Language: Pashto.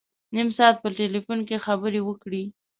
نیم ساعت په ټلفون کې خبري وکړې.